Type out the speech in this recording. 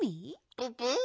ププ？